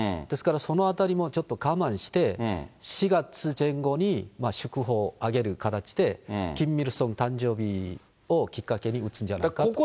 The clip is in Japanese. ですからそのあたりもちょっと我慢して、４月前後に祝砲を上げる形で、キム・イルソン誕生日をきっかけに打つんじゃないんですか。